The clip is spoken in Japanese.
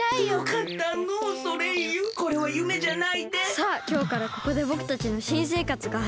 さあきょうからここでぼくたちのしんせいかつがはじまる！